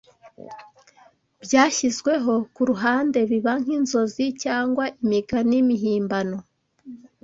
byashyizwe ku ruhande biba nk’inzozi cyangwa imigani mihimbano.